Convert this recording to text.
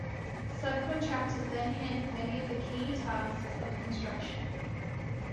Subcontractors then handled many of the key tasks of construction.